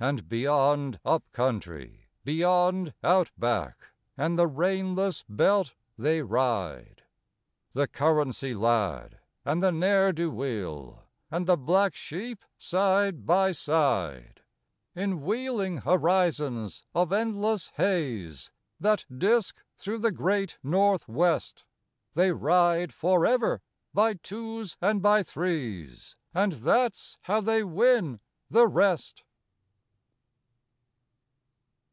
And beyond Up Country, beyond Out Back, And the rainless belt, they ride, The currency lad and the ne'er do weel And the black sheep, side by side; In wheeling horizons of endless haze That disk through the Great North west, They ride for ever by twos and by threes And that's how they win the rest.